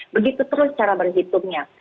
begitu terus cara berhitungnya